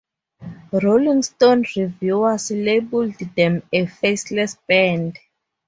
"Rolling Stone" reviewers labeled them a "faceless band.